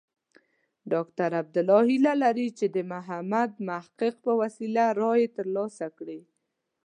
ډاکټر عبدالله هیله لري چې د محمد محقق په وسیله رایې ترلاسه کړي.